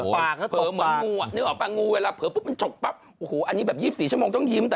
ไม่มีวิทยาลัยเข้าปลิ้งจนปลั๊บอันนี้๒๔ชั่วโมงต้องยึมแต่